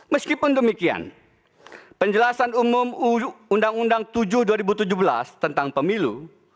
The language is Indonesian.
meskipun demikian penjelasan umum undang undang tujuh dua ribu tujuh belas tentang pemilu